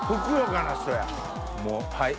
はい。